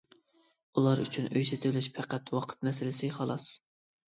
ئۇلار ئۈچۈن ئۆي سېتىۋېلىش پەقەت ۋاقىت مەسىلىسى خالاس.